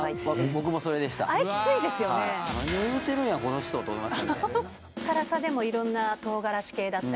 僕もそれでした。